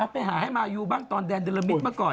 ไปหาให้มายูบ้างตอนแดนโดรมิตรเมื่อก่อน